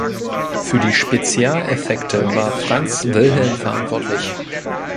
Für die Spezialeffekte war Franz Wilhelm verantwortlich.